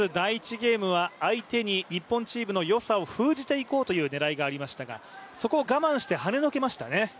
ゲームは、相手に日本チームの良さを封じていこうという狙いがありましたがそこを我慢してはねのけましたね。